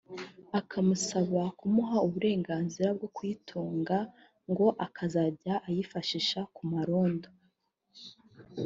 akamusaba kumuha uburenganzira bwo kuyitunga ngo akazajya ayifashisha ku marondo